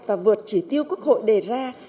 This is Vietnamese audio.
và vượt chỉ tiêu quốc hội đề ra